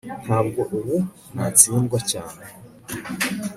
ntabwo ubu ntatsindwa cyane